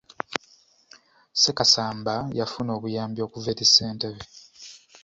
Ssekasamba yafuna obuyambi okuva eri ssentebe.